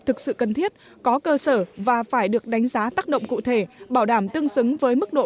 thực sự cần thiết có cơ sở và phải được đánh giá tác động cụ thể bảo đảm tương xứng với mức độ